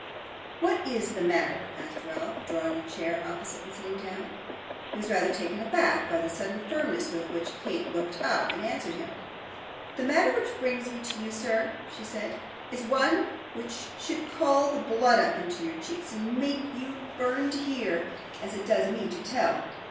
'What is the matter?' asked Ralph, drawing a chair opposite, and sitting down. He was rather taken aback by the sudden firmness with which Kate looked up and answered him. 'The matter which brings me to you, sir,' she said, 'is one which should call the blood up into your cheeks, and make you burn to hear, as it does me to tell.